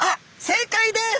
正解です。